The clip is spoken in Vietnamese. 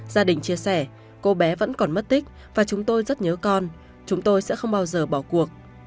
gia đình chia sẻ cô bé vẫn còn mất tích và chúng tôi rất nhớ con chúng tôi sẽ không bao giờ bỏ cuộc